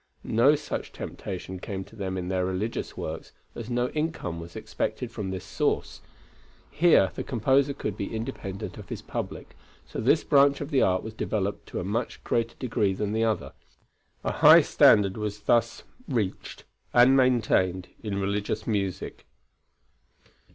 No such temptation came to them in their religious works, as no income was expected from this source. Here the composer could be independent of his public, so this branch of the art was developed to a much greater degree than the other. A high standard was thus reached and maintained in religious music.